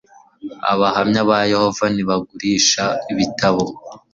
abahamya ba yehova ntibagurisha ibitabo